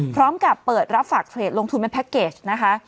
พร้อมกับเปิดรับฝากเทรดลงทุนเป็นแพ็คเกจนะคะ